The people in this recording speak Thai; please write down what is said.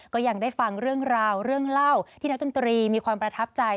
ก็ยังได้ฟังเรื่องราวเรื่องเล่าที่นักดนตรีมีความประทับใจ